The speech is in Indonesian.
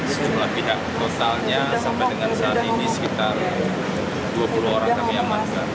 sejumlah pihak totalnya sampai dengan saat ini sekitar dua puluh orang kami amankan